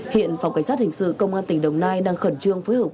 hiện phòng cảnh sát hình sự công an tỉnh đồng nai đang khẩn trương phối hợp